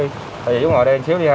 thì chúng ta ngồi đây một chút đi ha